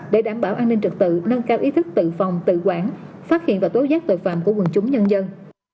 để đảm bảo an ninh trực tự nâng cao ý thức tự phòng tự quản phát hiện và tố giác tội phạm của quần chúng nhân dân